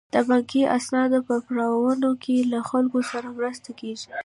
د بانکي اسنادو په پړاوونو کې له خلکو سره مرسته کیږي.